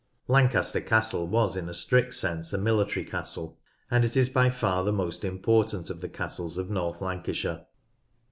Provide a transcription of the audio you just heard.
Lancaster Castle was in a strict sense a military castle, and it is by far the most important of the castles of North Lancashire.